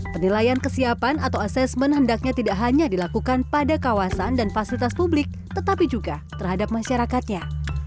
penilaian kesiapan atau asesmen hendaknya tidak hanya dilakukan pada kawasan dan fasilitas publik tetapi juga terhadap masyarakatnya